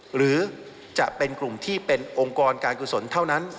หรือจะเป็นกลุ่มที่เป็นองค์กรการกุศลเท่านั้น